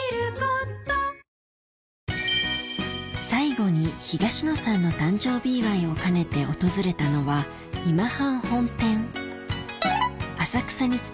最後に東野さんの誕生日祝いを兼ねて訪れたのはあっ！